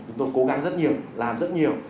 chúng tôi cố gắng rất nhiều làm rất nhiều